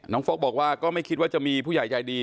ฟกบอกว่าก็ไม่คิดว่าจะมีผู้ใหญ่ใจดี